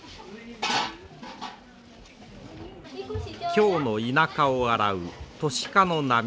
京の田舎を洗う都市化の波です。